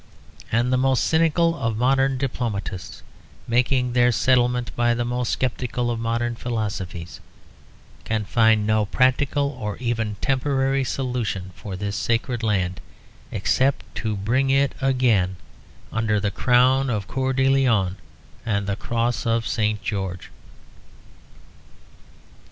And the most cynical of modern diplomatists, making their settlement by the most sceptical of modern philosophies, can find no practical or even temporary solution for this sacred land, except to bring it again under the crown of Coeur de Lion and the cross of St. George.